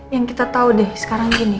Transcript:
yang kita tahu deh sekarang gini